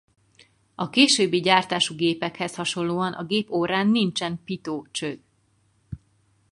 A későbbi gyártású gépekhez hasonlóan a gép orrán nincsen Pitot-cső.